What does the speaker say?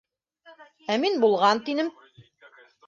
Ә мин булған тинем!